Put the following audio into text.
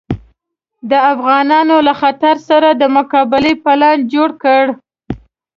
د افغانانو له خطر سره د مقابلې پلان جوړ کړ.